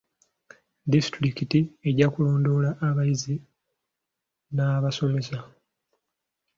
Disitulikiti ejja kulondoola abayizi n'abasomesa.